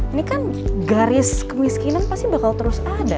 ini kan garis kemiskinan pasti bakal terus ada